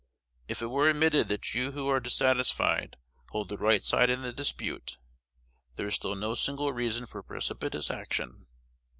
If it were admitted that you who are dissatisfied hold the right side in the dispute, there is still no single reason for precipitate action.